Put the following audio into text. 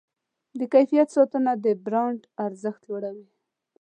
د کیفیت ساتنه د برانډ ارزښت لوړوي.